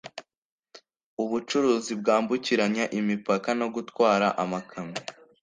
ubucuruzi bwambukiranya imipaka no gutwara amakamyo